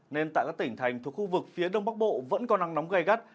nên tại các tỉnh thành thuộc khu vực phía đông bắc bộ vẫn có nắng nóng gây gắt